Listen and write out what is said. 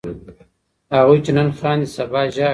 هغوی چې نن خاندي سبا ژاړي.